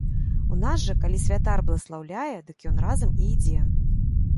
У нас жа, калі святар бласлаўляе, дык ён разам і ідзе.